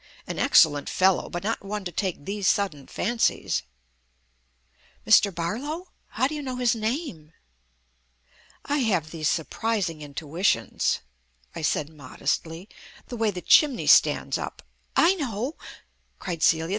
"An excellent fellow, but not one to take these sudden fancies." "Mr. Barlow? How do you know his name?" "I have these surprising intuitions," I said modestly. "The way the chimneys stand up " "I know," cried Celia.